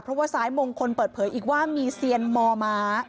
เพราะว่าซ้ายมงคลเปิดเผยอีกว่ามีเซียนมอม้า